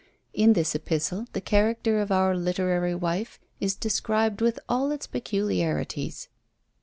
In this epistle the character of our Literary Wife is described with all its peculiarities.